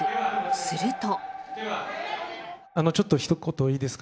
すると。